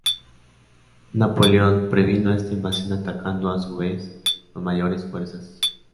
Napoleón previno esta invasión atacando a su vez con mayores fuerzas.